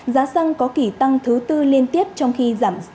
giá xăng có kỳ tăng thứ tư liên tiếp trong khi giảm